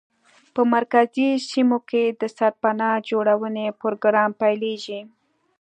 په مرکزي سیمو کې د سرپناه جوړونې پروګرام پیلېږي.